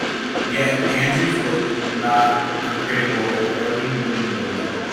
Yet Andrews was not uncritical of early New England.